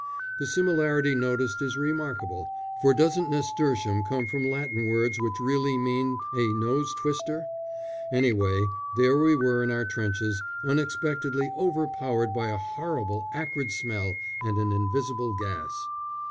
The similarity noticed is remarkable, for doesn't nasturtium come from Latin words which really mean a nose twister? Anyway, there we were in our trenches, unexpectedly overpowered by a horrible acrid smell and an invisible gas.